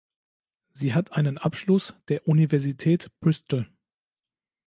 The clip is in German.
Sie hat einen Abschluss der Universität Bristol.